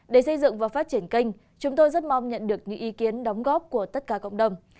để xây dựng và phát triển kênh chúng tôi rất mong nhận được những ý kiến đóng góp của tất cả cộng đồng